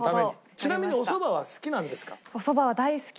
ちなみにおそばは好きなんですか？